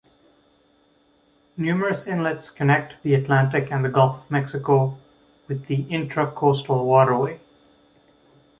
Numerous inlets connect the Atlantic and the Gulf of Mexico with the Intracoastal Waterway.